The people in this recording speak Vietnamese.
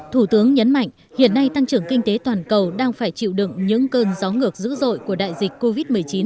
thủ tướng nhấn mạnh hiện nay tăng trưởng kinh tế toàn cầu đang phải chịu đựng những cơn gió ngược dữ dội của đại dịch covid một mươi chín